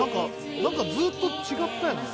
ずっと違ったよね